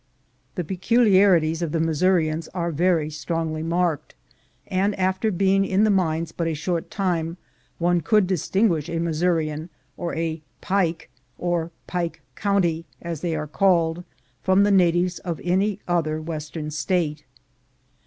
The peculiarities of the Missourians are very strongly marked, and after being in the mines but a short time, one could distinguish a Missourian, or a "Pike," or "Pike County," as they are called, from the natives of any other western State.